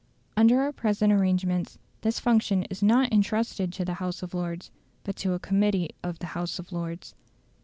Under our present arrangements this function is not entrusted to the House of Lords, but to a Committee of the House of Lords.